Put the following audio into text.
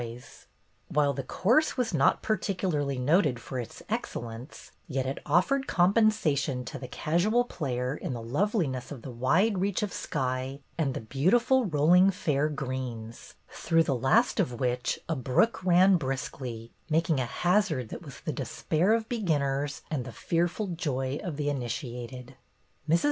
52 BETTY BAIRD'S GOLDEN YEAR While the course was not particularly noted for its excellence, yet it offered compensation to the casual player in the loveliness of the wide reach of sky and the beautiful rolling fair greens, through the last of which a brook ran briskly, making a hazard that was the despair of beginners and the fearful joy of the initiated. Mrs.